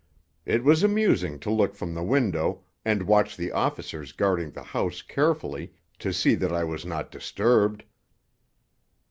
It was amusing to look from the window and watch the officers guarding the house carefully to see that I was not disturbed."